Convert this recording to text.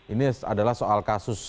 ini adalah soal kasus